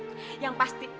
terserah yang pasti